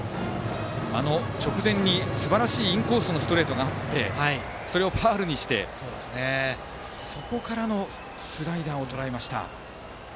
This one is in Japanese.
直前に、すばらしいインコースのストレートがあってそれをファウルにしてそこからのスライダーをとらえました。